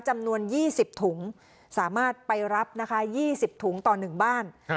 จำนวนยี่สิบถุงสามารถไปรับนะคะยี่สิบถุงต่อหนึ่งบ้านค่ะ